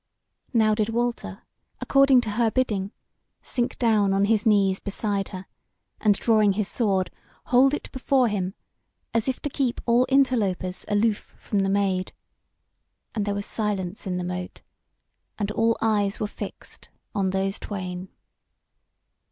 Now did Walter, according to her bidding, sink down on his knees beside her, and drawing his sword, hold it before him, as if to keep all interlopers aloof from the Maid. And there was silence in the Mote, and all eyes were fixed on those twain.